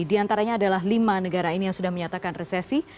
di antaranya adalah lima negara ini yang sudah menyatakan resesi